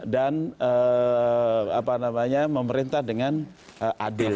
dan apa namanya memerintah dengan adil